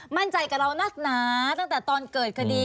มั่นใจกับเรานักหนาตั้งแต่ตอนเกิดคดี